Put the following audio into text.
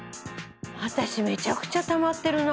私めちゃくちゃたまってるな